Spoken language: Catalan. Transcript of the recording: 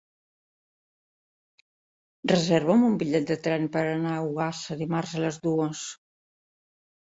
Reserva'm un bitllet de tren per anar a Ogassa dimarts a les dues.